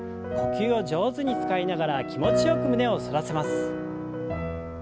呼吸を上手に使いながら気持ちよく胸を反らせます。